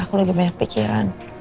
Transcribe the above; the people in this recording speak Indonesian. aku lagi banyak pikiran